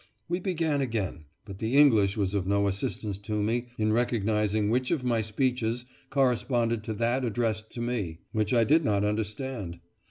We began again, but the English was of no assistance to me in recognising which of my speeches corresponded to that addressed to me, which I did not understand.